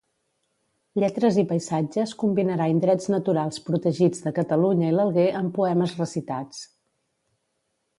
Lletres i Paisatges combinarà indrets naturals protegits de Catalunya i l'Alguer amb poemes recitats.